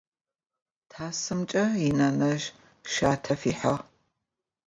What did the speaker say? Тасымкӏэ инэнэжъ шъуатэ фихьыгъ.